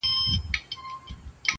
لړزوي به آسمانونه -